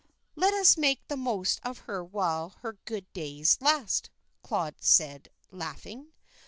"Let us make the most of her while her good days last," Claude said, laughing.